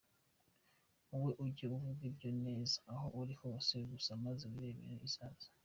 Wowe ujye uvuga ibyayo neza aho uri hose gusa maze wirebere, izaza.